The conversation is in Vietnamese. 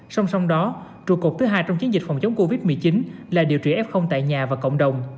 song song đó trụ cột thứ hai trong chiến dịch phòng chống covid một mươi chín là điều trị f tại nhà và cộng đồng